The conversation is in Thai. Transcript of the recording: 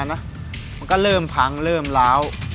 มันก็เริ่มพังเริ่มล้าว